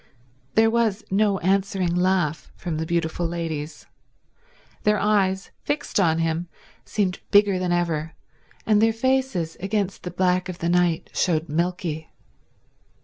There was no answering laugh from the beautiful ladies. Their eyes, fixed on him, seemed bigger than ever, and their faces against the black of the night showed milky.